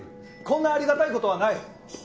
こんなありがたい事はない。